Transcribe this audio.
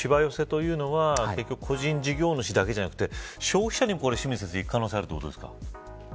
そのしわ寄せというのは結局、個人事業主だけでなくて消費者にもいく可能性があるということですか。